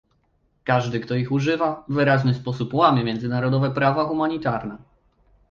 Każdy, kto ich używa, w wyraźny sposób łamie międzynarodowe prawa humanitarne